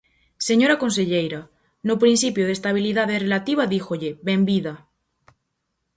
Señora conselleira, no principio de estabilidade relativa dígolle: ¡benvida!